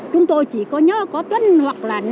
chúng tôi chỉ có nhớ có tuần hoặc là